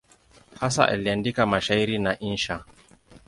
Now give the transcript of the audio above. Hasa aliandika mashairi na insha.